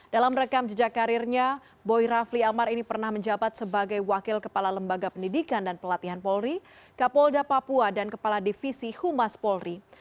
dalam rekam jejak karirnya boy rafli amar ini pernah menjabat sebagai wakil kepala lembaga pendidikan dan pelatihan polri kapolda papua dan kepala divisi humas polri